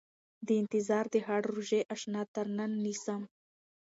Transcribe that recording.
د انتظار د هاړ روژې اشنا تر ننه نيسم